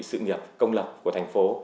sự nghiệp công lập của thành phố